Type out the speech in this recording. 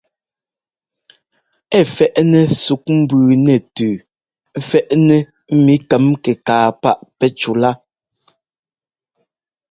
Ɛ fɛ́ꞌnɛ ɛ́suk mbʉʉ nɛtʉʉ fɛ́ꞌnɛ ḿmi kɛm-kɛkaa páꞌ pɛ́ꞌ cúlaa.